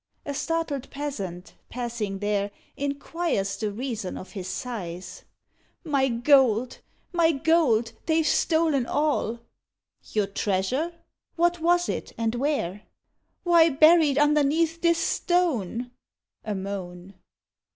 A startled peasant passing there Inquires the reason of his sighs. "My gold! my gold! they've stolen all." "Your treasure! what was it, and where?" "Why, buried underneath this stone." (A moan!)